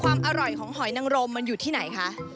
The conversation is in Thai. ความอร่อยของหอยนังรมมันอยู่ที่ไหนคะ